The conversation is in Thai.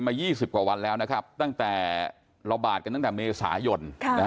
๒๐กว่าวันแล้วนะครับตั้งแต่ระบาดกันตั้งแต่เมษายน